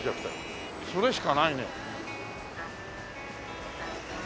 それしかないね。